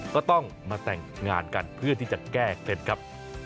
ก็ต้องมาแต่งงานกันเพื่อที่จะแก้เคล็ดครับ